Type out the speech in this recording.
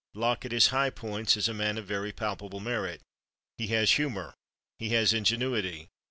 Locke, at his high points, is a man of very palpable merit. He has humor. He has ingenuity.